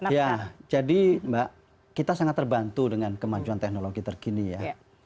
ya jadi mbak kita sangat terbantu dengan kemajuan teknologi terkini ya